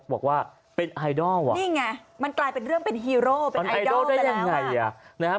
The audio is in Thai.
บอกว่าเป็นไอดอลอ่ะนี่ไงมันกลายเป็นเรื่องเป็นฮีโร่เป็นไอดอลได้ยังไงอ่ะนะครับ